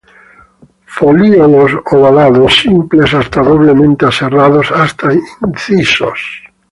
Folíolos ovalados, simples hasta doblemente aserrados hasta incisos.